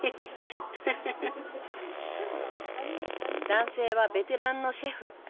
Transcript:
男性はベテランのシェフ。